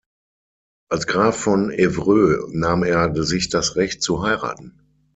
Als Graf von Évreux nahm er sich das Recht zu heiraten.